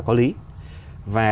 có lý và